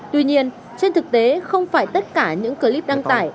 tuy nhiên trên thực tế không phải tất cả những clip đăng tải